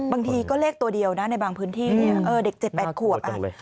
บางทีก็เลขตัวเดียวนะในบางพื้นที่เด็ก๗๘ขวบ